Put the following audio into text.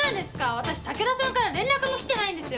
私武田さんから連絡も来てないんですよ！